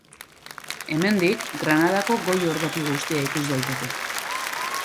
Hemendik, Granadako goi ordoki guztia ikus daiteke.